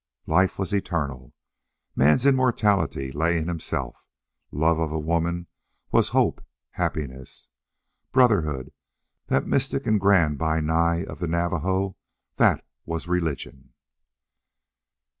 Life was eternal. Man's immortality lay in himself. Love of a woman was hope happiness. Brotherhood that mystic and grand "Bi Nai!" of the Navajo that was religion.